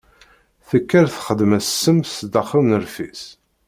Tekker texdem-as ssem s daxel n rfis.